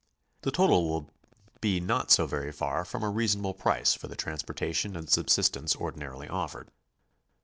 The total will be not so very far from a reasonable price for the trans portation and subsistence ordinarily offered.